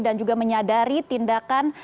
dan juga menyadari tindakan